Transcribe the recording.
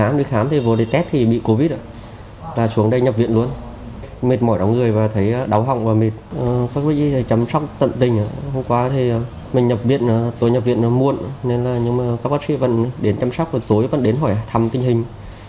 mình nhập viện tối nhập viện muộn nhưng các bác sĩ vẫn đến chăm sóc tối vẫn đến hỏi thăm tình hình